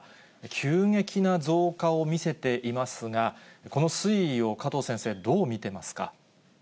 急激な増加を見せていますが、この推移を加藤先生、どう見てますか。